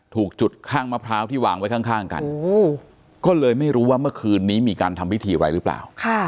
ถูกจุดข้างมะพร้าวที่วางไว้ข้างกันก็เลยไม่รู้ว่าเมื่อคืนนี้มีการทำพิธีอะไรหรือเปล่า